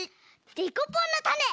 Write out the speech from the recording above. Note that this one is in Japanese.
デコポンのたね！